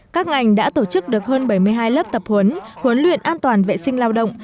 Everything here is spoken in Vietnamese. các ngành đã tổ chức được hơn bảy mươi hai lớp tập huấn huấn luyện an toàn vệ sinh lao động